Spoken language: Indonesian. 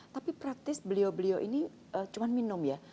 tapi praktis beliau beliau ini cuma minum ya